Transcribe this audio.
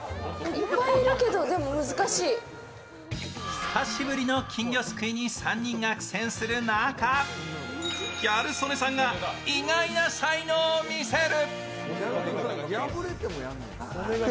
久しぶりの金魚すくいに３人が苦戦する中ギャル曽根さんが意外な才能を見せる。